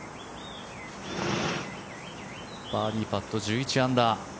バーディーパット１１アンダー。